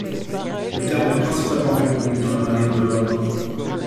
Le terme est principalement répandu dans la marine de l'Ordre.